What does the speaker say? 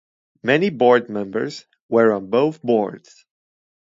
Many board members were on both boards.